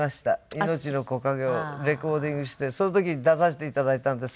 『いのちの木陰』をレコーディングしてその時に出させていただいたんですけど。